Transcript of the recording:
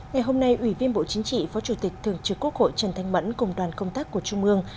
ngày hôm nay ủy viên bộ chính trị phó chủ tịch thường trực quốc hội trần thanh mẫn cùng đoàn công tác của trung ương